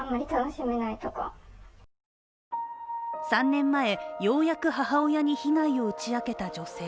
３年前、ようやく母親に被害を打ち明けた女性。